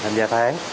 tham gia tháng